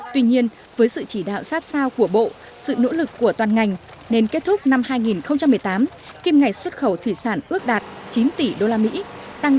tuy nhiên với sự chỉ đạo sát sao của bộ sự nỗ lực của toàn ngành nên kết thúc năm hai nghìn một mươi tám kim ngày xuất khẩu thủy sản ước đạt chín tỷ usd tăng tám bốn